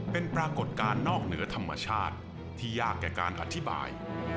เป็นปรากฏการณ์นอกเหนือธรรมชาติที่ยากแก่การอธิบาย